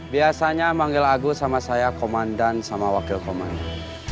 biasanya manggil agus sama saya komandan sama wakil komandan